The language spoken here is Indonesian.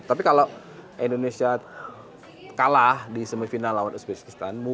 tapi kalau indonesia kalah di semifinal lawan uzbekistanbul